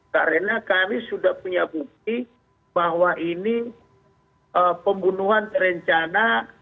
karena kami sudah punya bukti bahwa ini pembunuhan berencana